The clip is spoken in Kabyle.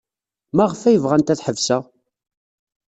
Maɣef ay bɣant ad ḥebseɣ?